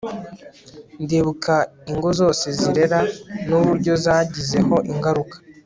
ndibuka ingo zose zirera, nuburyo zangizeho ingaruka